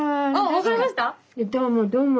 分かりました？